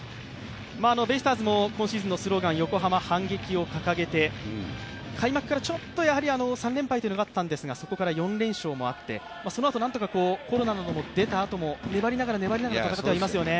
ベイスターズも今シーズのスローガン、横浜反撃を掲げて開幕から３連敗というのがあったんですが、そこか４連勝もあって、そのあとコロナなども出たあとも粘りながら粘りながら戦いますよね。